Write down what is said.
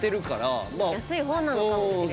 安い方なのかもしれないね。